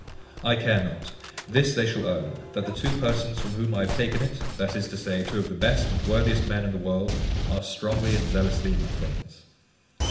I care not: this they shall own, that the two persons from whom I have taken it, that is to say, two of the best and worthiest men in the world, are strongly and zealously my friends.